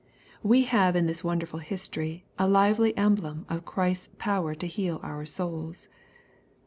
We have in this wonderful history a lively emblem of Christ's power to heal our souls.